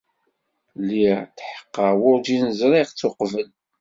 Lliɣ tḥeqqeɣ werjin ẓriɣ-tt uqbel.